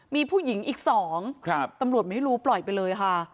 มีผู้หญิงอีก๒ตำรวจไม่รู้ปล่อยไปเลยค่ะ